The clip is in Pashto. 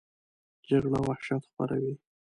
جګړه وحشت خپروي